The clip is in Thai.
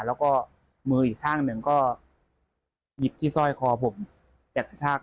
แล้วก็มืออีกข้างหนึ่งก็หยิบที่สร้อยคอผมกระชาก